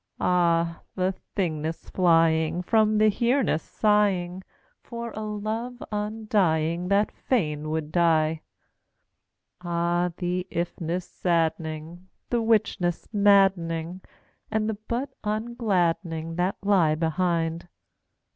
Ah, the Thingness flying From the Hereness, sighing For a love undying That fain would die! Ah, the Ifness sadd'ning, The Whichness madd'ning, And the But ungladd'ning, That lie behind!